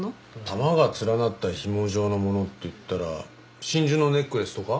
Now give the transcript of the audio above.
玉が連なった紐状のものっていったら真珠のネックレスとか？